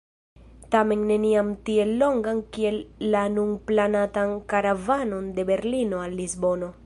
Tamen neniam tiel longan kiel la nun planatan karavanon de Berlino al Lisbono.